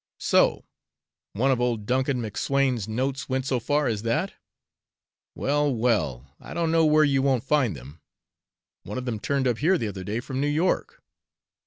So one of old Duncan McSwayne's notes went so far as that? Well, well, I don't know where you won't find them. One of them turned up here the other day from New York.